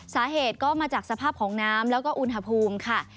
สาเหตุก็มาจากสภาพของน้ำแล้วก็อุณหภูมิค่ะ